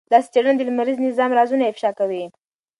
داسې څېړنې د لمریز نظام رازونه افشا کوي.